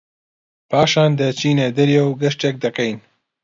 پاشان دەچینە دەرێ و گەشتێک دەکەین